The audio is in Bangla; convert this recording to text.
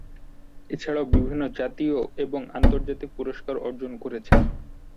এছাড়াও বিভিন্ন জাতীয় এবং আন্তর্জাতিক পুরস্কার অর্জন করেছেন।